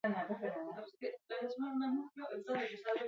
Sare sozialak indartsu daude webgune bisitatuenen zerrendan.